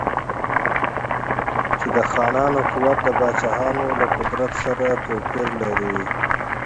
چې د خانانو قوت د پاچاهانو له قدرت سره توپیر لري.